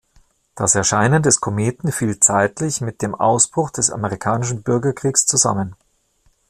Das Erscheinen des Kometen fiel zeitlich mit dem Ausbruch des Amerikanischen Bürgerkriegs zusammen.